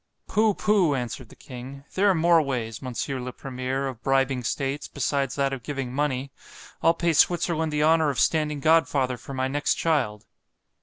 _—Poo! poo! answered the king—there are more ways, Mons. le Premier, of bribing states, besides that of giving money—I'll pay Switzerland the honour of standing godfather for my next child.